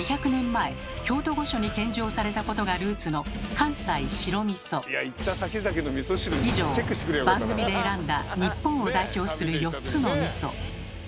前京都御所に献上されたことがルーツの以上番組で選んだ日本を代表する４つのみそ。